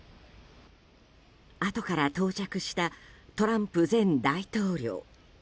あとから到着したトランプ前大統領。